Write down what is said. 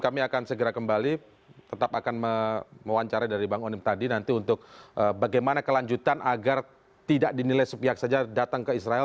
kami akan segera kembali tetap akan mewawancarai dari bang onim tadi nanti untuk bagaimana kelanjutan agar tidak dinilai sepihak saja datang ke israel